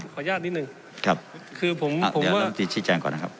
ขออนุญาตนิดหนึ่งครับเดี๋ยวรำตีชีวิจารณ์ก่อนนะครับ